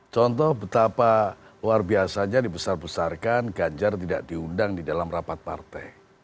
contoh betapa luar biasanya dibesar besarkan ganjar tidak diundang di dalam rapat partai